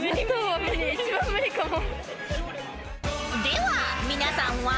では皆さんは？］